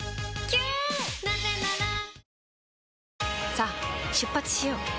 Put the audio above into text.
さあ出発しよう。